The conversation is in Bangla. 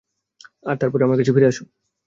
আর তারপরে আমার কাছে ফিরে আসো।